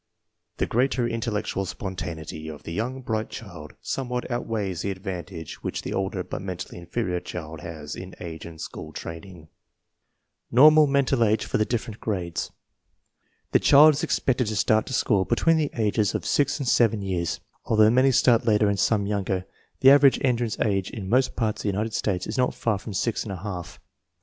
The greater intellectual spontaneity of the young bright child somewhat outweighs the advantage which the older but mentally inferior child has in age and school training. 1 Written with the assistance of Isabel Preston. MENTAL AGE STANDARD FOR GRADING 93 Normal mental age for the different grades. The child is expected to start to school between the ages of six and seven years. Although many start later and some younger, the average entrance age in most parts of the United States is not far from six and a half.